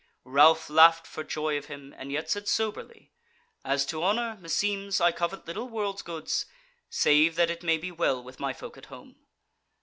Ralph laughed for joy of him, and yet said soberly: "As to honour, meseems I covet little world's goods, save that it may be well with my folk at home."